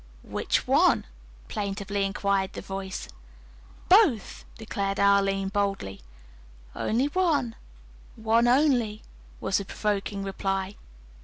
"Which one?" plaintively inquired the voice. "Both," declared Arline boldly. "Only one, only one," was the provoking reply.